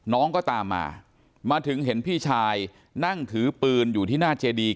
น้องก็ตามมามาถึงเห็นพี่ชายนั่งถือปืนอยู่ที่หน้าเจดี